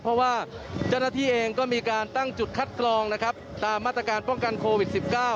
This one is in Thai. เพราะว่าเจ้าหน้าที่เองก็มีการตั้งจุดคัดกรองนะครับตามมาตรการป้องกันโควิด๑๙